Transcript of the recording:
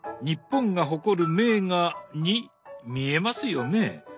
日本が誇る名画に見えますよね？